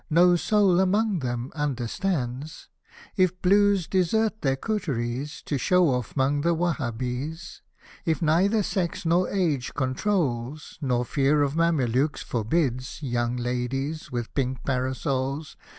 No soul among them understands ; If Blues desert their coteries. To show off 'mong the Wahabees ; If neither sex nor age controls, Nor fear of Mamelukes forbids Young ladies, with pink parasols.